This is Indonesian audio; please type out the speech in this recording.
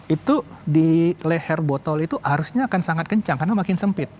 itu di leher botol itu arusnya akan sangat kencang karena makin sempit